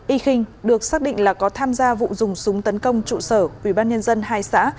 y khinh được xác định là có tham gia vụ dùng súng tấn công trụ sở ubnd hai xã